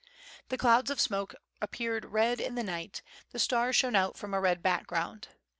The clouds of smoke appeared red in the night, the stars shone out from a red background.